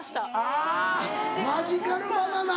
あぁマジカルバナナ。